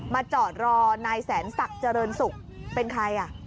จอดรอนายแสนศักดิ์เจริญศุกร์เป็นใครอ่ะ